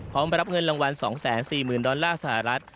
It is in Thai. พร้อมรับเงินรางวัล๒๔๐๐๐ดอลลาร์สหรัฐ